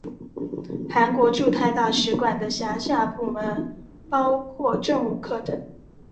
韩国驻泰大使馆的辖下部门包含政务课等。